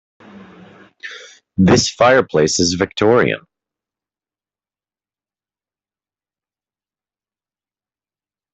This fireplace is victorian.